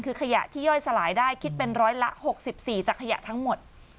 คือขยะที่ย่อยสลายได้คิดเป็นร้อยละ๖๔จากขยะทั้งหมด